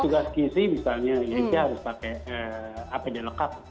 petugas kisi misalnya ini harus pakai apd lengkap